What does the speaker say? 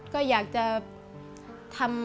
ก็อยากจะทำ